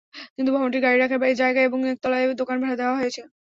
কিন্তু ভবনটির গাড়ি রাখার জায়গায় এবং একতলায় দোকান ভাড়া দেওয়া হয়েছে।